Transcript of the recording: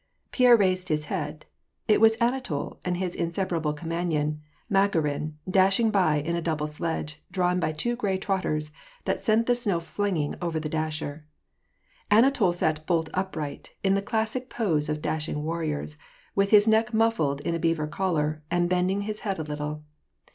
Pierre raised his head. It was Anatol and his inseparable companion, Makarin, dashing by in a double sledge, drawn by two gray trotters, that sent the snow flinging over the dasher. Anatol sat bolt upright, in the classic pose of dashing warriors, with his neck mufiled in a beaver collar, and bending his head a little.